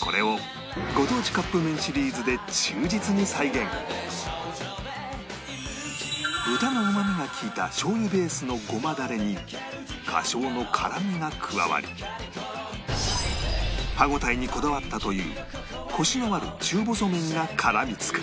これをご当地カップ麺シリーズで豚のうまみが利いたしょう油ベースのゴマダレに花椒の辛みが加わり歯応えにこだわったというコシのある中細麺が絡みつく